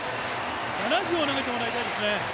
７０は投げてもらいたいですね。